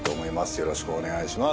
よろしくお願いします。